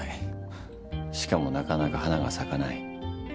はっしかもなかなか花が咲かない？